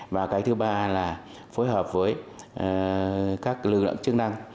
và cái thứ ba là phối hợp với các lực lượng chức năng